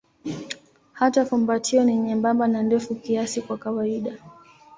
Hata fumbatio ni nyembamba na ndefu kiasi kwa kawaida.